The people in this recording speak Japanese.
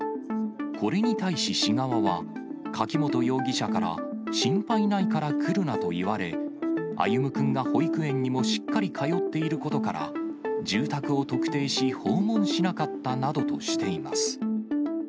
これに対し、市側は柿本容疑者から、心配ないから来るなと言われ、歩夢くんが保育園にもしっかり通っていることから、住宅を特定し、訪問しなかったなどとしています。